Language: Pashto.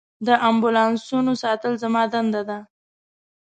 د امبولانسونو ساتل زما دنده ده.